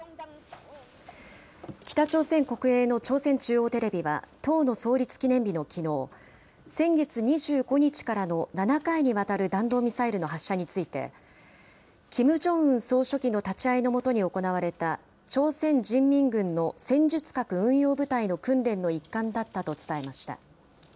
北朝鮮国営の朝鮮中央テレビは、党の創立記念日のきのう、先月２５日からの７回にわたる弾道ミサイルの発射について、キム・ジョンウン総書記の立ち会いの下に行われた朝鮮人民軍の戦術核運用部隊の訓練の一環だったと伝えました。